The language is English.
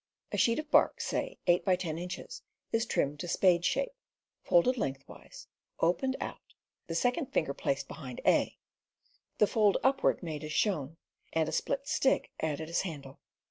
A sheet of bark, say 8x10 inches, is trimmed to spade shape, folded lengthwise, opened out, the second finger placed behind A, the fold up ward made as shown, and a split stick added as handle.